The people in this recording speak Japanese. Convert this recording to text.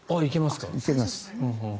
いけます。